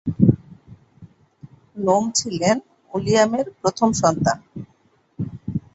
নোম ছিলেন উইলিয়ামের প্রথম সন্তান।